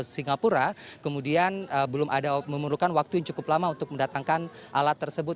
singapura kemudian belum ada memerlukan waktu yang cukup lama untuk mendatangkan alat tersebut